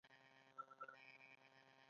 د ازادۍ جګړې د ویاړ سرچینه ده.